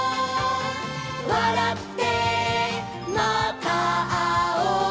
「わらってまたあおう」